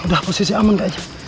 udah posisi aman kayaknya